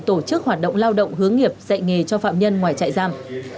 tổ chức hoạt động lao động hướng nghiệp dạy nghề cho phạm nhân ngoài trại giam